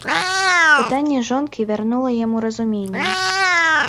Пытанне жонкі вярнула яму разуменне.